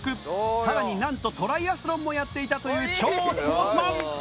更になんとトライアスロンもやっていたという超スポーツマン！